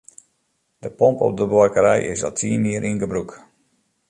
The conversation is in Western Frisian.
De pomp op de buorkerij is al tsien jier yn gebrûk.